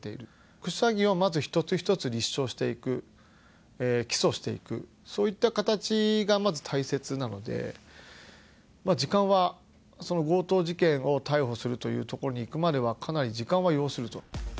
特殊詐欺をまず一つ一つ立証していく、起訴していく、そういった形がまず大切なので、時間は、その強盗事件を逮捕するというところにいくまでは、かなり時間は要すると。